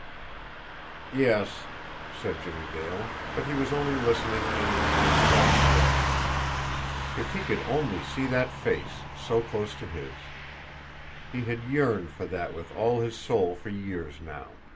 "Yes," said Jimmie Dale but he was only listening in an abstracted way. If he could only see that face, so close to his! He had yearned for that with all his soul for years now!